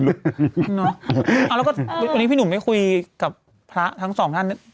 แล้วก็วันนี้พี่หนุ่มไม่คุยกับพระทั้งสองท่าน